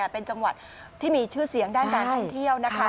เป็นจังหวัดที่มีชื่อเสียงด้านการท่องเที่ยวนะคะ